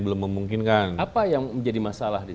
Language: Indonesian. belum memungkinkan apa yang menjadi masalah